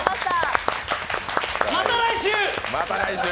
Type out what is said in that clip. また来週！